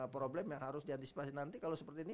problem yang harus diantisipasi nanti kalau seperti ini